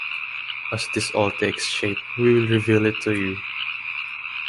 As this all takes shape, we will reveal it to you.